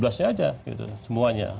tujuh belas tujuh belas saja semuanya